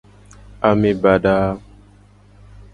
Ame bada a.